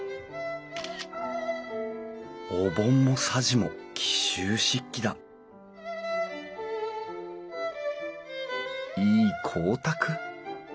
お盆もさじも紀州漆器だいい光沢！